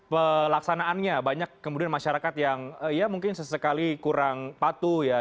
pelaksanaannya banyak kemudian masyarakat yang ya mungkin sesekali kurang patuh ya